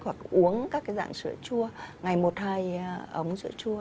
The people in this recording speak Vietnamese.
hoặc uống các cái dạng sữa chua ngày một hai ống sữa chua